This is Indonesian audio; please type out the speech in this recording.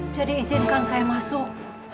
jadi izinkan saya masuk